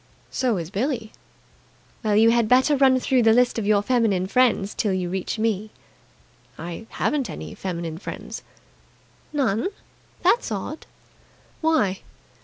"So is Billie." "Well, you had better run through the list of your feminine friends till you reach me." "I haven't any feminine friends." "None?" "That's odd." "Why?"